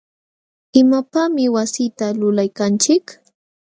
¿imapaqmi wasita lulaykanchik?